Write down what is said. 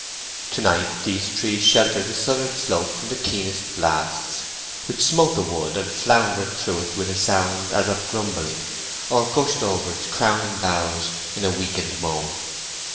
To night these trees sheltered the southern slope from the keenest blasts, which smote the wood and floundered through it with a sound as of grumbling, or gushed over its crowning boughs in a weakened moan.